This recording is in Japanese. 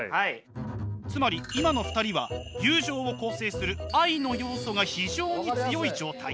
つまり今の２人は友情を構成する愛の要素が非常に強い状態。